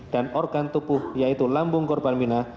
dan organ tubuh yaitu lambung korban mirna